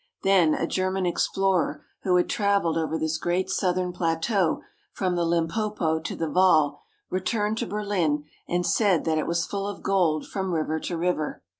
Then a German ex plorer who had traveled over this great southern plateau from the Limpopo to the Vaal returned to Berlin and said that it was full of gold from river to river.